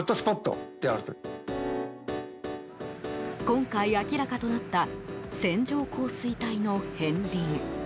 今回、明らかとなった線状降水帯の片鱗。